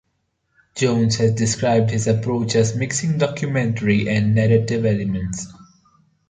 Jones has described his approach as mixing documentary and narrative elements.